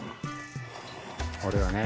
俺はね